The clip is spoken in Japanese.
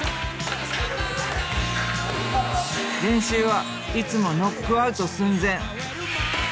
練習はいつもノックアウト寸前！